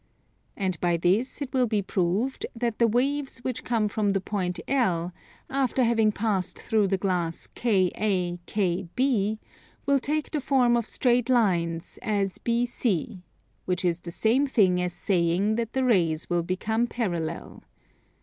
And by this it will be proved that the waves which come from the point L, after having passed through the glass KAKB, will take the form of straight lines, as BC; which is the same thing as saying that the rays will become parallel.